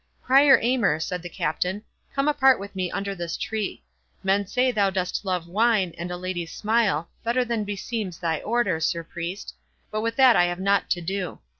"Prior Aymer," said the Captain, "come apart with me under this tree. Men say thou dost love wine, and a lady's smile, better than beseems thy Order, Sir Priest; but with that I have nought to do.